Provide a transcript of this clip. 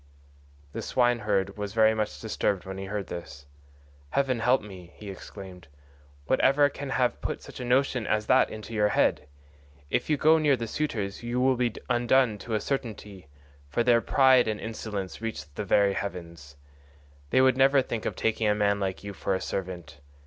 The swineherd was very much disturbed when he heard this. "Heaven help me," he exclaimed, "what ever can have put such a notion as that into your head? If you go near the suitors you will be undone to a certainty, for their pride and insolence reach the very heavens. They would never think of taking a man like you for a servant.